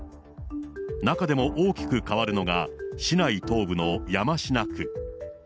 中でも大きく変わるのが、市内東部の山科区。